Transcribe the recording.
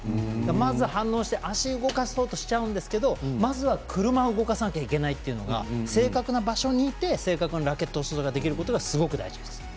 まず反応して足を動かそうとしちゃうんですけどまずは、車を動かさないといけないのが正確な場所にいて正確なラケットさばきをすることが大事なんです。